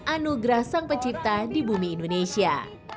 anugerah sang pencipta di bumi indonesia